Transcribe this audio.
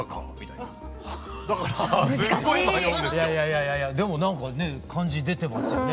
いやいやでもなんかね感じ出てますよね。